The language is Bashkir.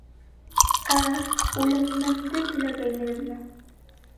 Ә-ә, үлемемде теләгәйнегеҙме?